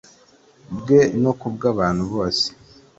Bwe no ku bw abantu bose